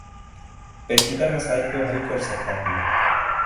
پیچیدہ مسائل کو حل کر سکتا ہوں